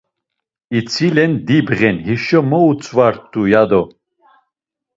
İtzilen dibğen hişo mo utzvat̆u ya do.